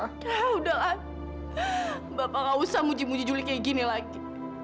udah ah bapak gak usah muji muji juli kayak gini lagi